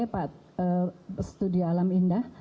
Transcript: pak studi alam indah